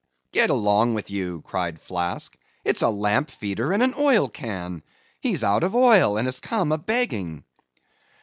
"Go along with you," cried Flask, "it's a lamp feeder and an oil can. He's out of oil, and has come a begging."